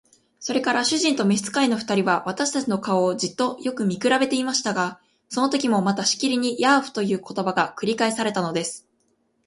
それから主人と召使の二人は、私たちの顔をじっとよく見くらべていましたが、そのときもまたしきりに「ヤーフ」という言葉が繰り返されたのです。